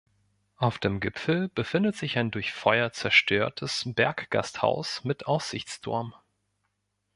Auf dem Gipfel befindet sich ein durch Feuer zerstörtes Berggasthaus mit Aussichtsturm.